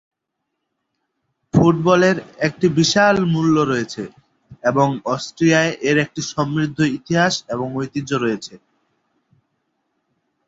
ফুটবলের একটি বিশাল মূল্য রয়েছে এবং অস্ট্রিয়ায় এর একটি সমৃদ্ধ ইতিহাস এবং ঐতিহ্য রয়েছে।